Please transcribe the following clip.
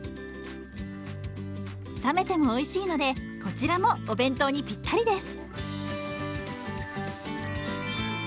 冷めてもおいしいのでこちらもお弁当にピッタリです。